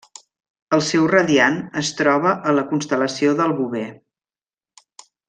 El seu radiant es troba a la constel·lació del Bover.